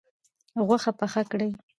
غوښه پخه کړئ